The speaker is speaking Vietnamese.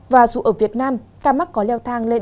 và dù ở việt nam ca mắc có leo thang lên